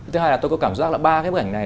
thứ hai là tôi có cảm giác là ba cái bức ảnh này